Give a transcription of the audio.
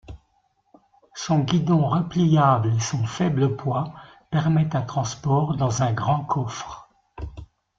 Son guidon repliable et son faible poids permettent un transport dans un grand coffre.